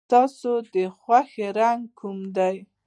ستا د خوښې رنګ کوم دی؟